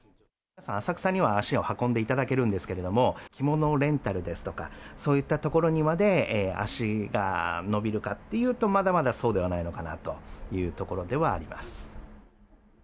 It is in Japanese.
浅草には足を運んでいただけるんですけれども、着物レンタルですとか、そういったところにまで足が延びるかっていうと、まだまだ、そうではないのかなというところではあります。